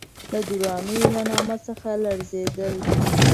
د درانیو له نامه څخه لړزېدل.